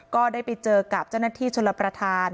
ก็ได้ไปเจอกับเจ้าหน้าที่ชลประธาน